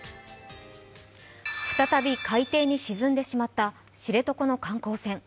再び海底に沈んでしまった知床の観光船。